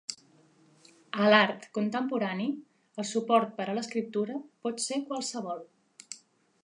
A l'art contemporani, el suport per a l'escriptura pot ser qualsevol.